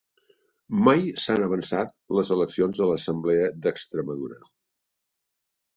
Mai s'han avançat les eleccions a l'Assemblea d'Extremadura.